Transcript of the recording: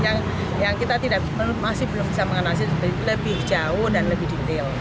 yang kita masih belum bisa mengenali lebih jauh dan lebih detail